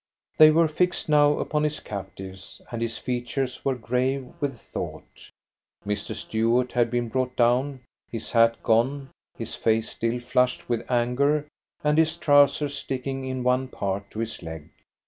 They were fixed now upon his captives, and his features were grave with thought. Mr. Stuart had been brought down, his hat gone, his face still flushed with anger, and his trousers sticking in one part to his leg.